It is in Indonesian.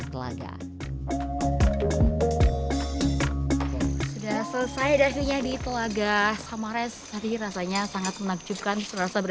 tanah selensi zadar